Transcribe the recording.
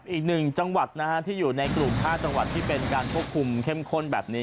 อีกหนึ่งจังหวัดนะฮะที่อยู่ในกลุ่ม๕จังหวัดที่เป็นการควบคุมเข้มข้นแบบนี้